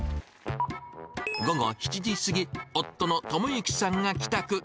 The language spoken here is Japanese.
午後７時過ぎ、夫の智行さんが帰宅。